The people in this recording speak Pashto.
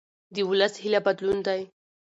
د ولس هیله بدلون دی